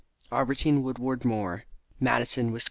AUBERTINE WOODWARD MOORE. MADISON, WIS.